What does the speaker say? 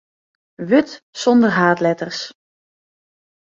Wurd sonder haadletters.